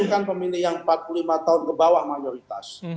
ini kan pemilih yang empat puluh lima tahun ke bawah mayoritas